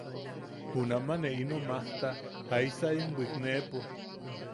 Junamaʼa ne ino majta, jaisa in bwikneʼepo.